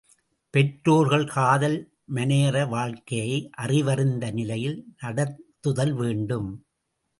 பெற்றோர்கள் காதல் மனையற வாழ்க்கையை அறிவறிந்த நிலையில் நடத்துதல் வேண்டும்.